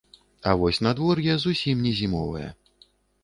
А вось надвор'е зусім не зімовае.